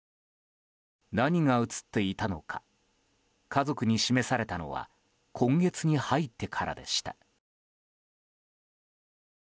何が写っていたのか家族に示されたのは今月に入ってからでした。